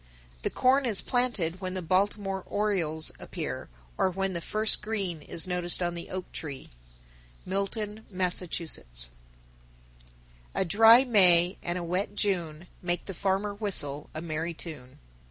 _ 949. The corn is planted when the Baltimore orioles appear, or when the first green is noticed on the oak trees. Milton, Mass. 950. A dry May and a wet June Make the farmer whistle a merry tune.